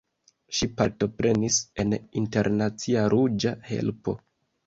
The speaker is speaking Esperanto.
Ŝi partoprenis en Internacia Ruĝa Helpo.